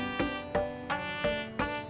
tidak ada yang bisa diberikan